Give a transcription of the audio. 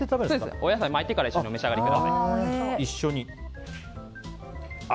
お野菜を巻いてからお召し上がりください。